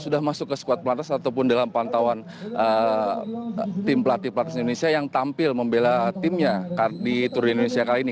sudah masuk ke squad pelatnas ataupun dalam pantauan tim pelatih pelatnas indonesia yang tampil membela timnya di tour de indonesia kali ini